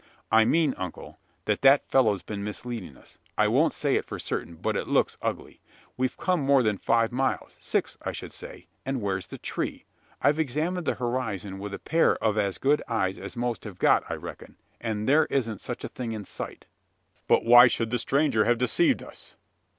"I mean, uncle, that that fellow's been misleading us. I won't say it for certain; but it looks ugly. We've come more than five miles six, I should say and where's the tree? I've examined the horizon, with a pair of as good eyes as most have got, I reckon; and there isn't such a thing in sight." "But why should the stranger have deceived us?"